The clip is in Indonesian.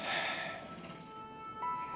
ya kalau prayer mihael no tieruz maximum gap